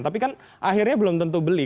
tapi kan akhirnya belum tentu beli